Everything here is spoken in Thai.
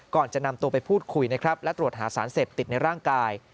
ก่อนจะนำตัวไปพูดคุยนะครับและตรวจหาสารเสพติดในร่างกาย